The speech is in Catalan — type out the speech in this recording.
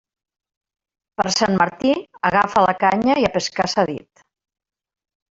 Per Sant Martí, agafa la canya i a pescar s'ha dit.